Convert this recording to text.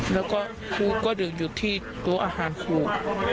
แล้วก็ครูก็ดื่มอยู่ที่โต๊ะอาหารครู